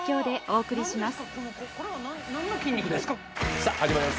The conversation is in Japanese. さぁ始まりました